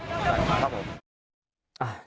ครับผม